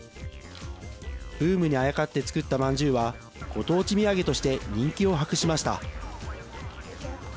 ブームにあやかって作ったまんじゅうはご当地土産として人気を博しました。